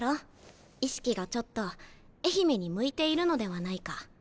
意識がちょっと愛媛に向いているのではないか。